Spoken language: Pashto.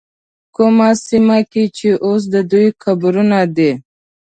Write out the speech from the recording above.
کومه سیمه کې چې اوس د دوی قبرونه دي.